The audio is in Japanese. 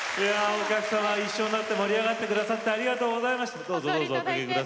お客様一緒になって盛り上がってくださってありがとうございました。